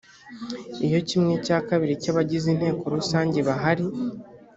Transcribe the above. iyo kimwe cya kabiri cy’abagize inteko rusange bahari